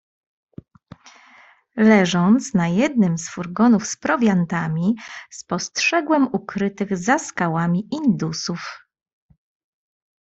"„Leżąc na jednym z furgonów z prowiantami, spostrzegłem ukrytych za skałami indusów."